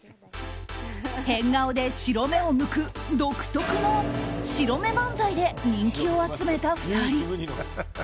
変顔で白目をむく独特の白目漫才で人気を集めた２人。